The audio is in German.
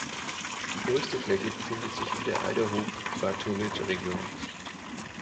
Die größte Fläche befindet sich in der Idaho-Batholith-Region.